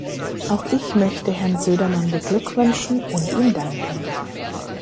Auch ich möchte Herrn Södermann beglückwünschen und ihm danken.